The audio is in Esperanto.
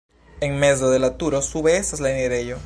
En mezo de la turo sube estas la enirejo.